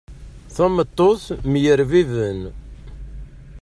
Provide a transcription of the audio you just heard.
Tameṭṭut mm yerbiben.